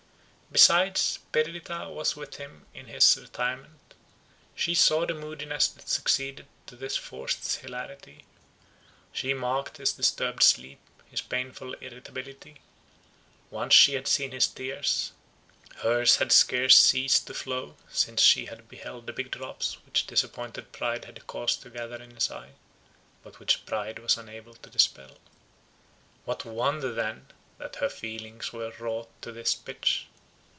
Besides, Perdita was with him in his retirement; she saw the moodiness that succeeded to this forced hilarity; she marked his disturbed sleep, his painful irritability—once she had seen his tears—hers had scarce ceased to flow, since she had beheld the big drops which disappointed pride had caused to gather in his eye, but which pride was unable to dispel. What wonder then, that her feelings were wrought to this pitch!